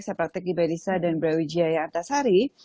saya praktek di belisa dan brawijaya atas hari